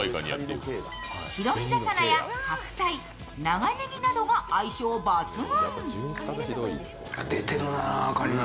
白身魚や白菜、長ねぎなどが相性抜群。